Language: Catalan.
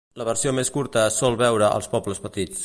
La versió més curta es sol veure als pobles petits.